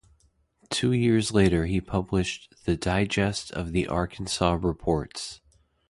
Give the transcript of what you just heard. Two years later he published the "Digest of the Arkansas Reports".